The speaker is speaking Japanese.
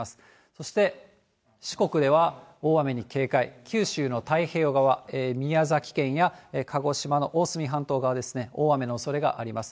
そして四国では大雨に警戒、九州の太平洋側、宮崎県や鹿児島の大隅半島側ですね、大雨のおそれがあります。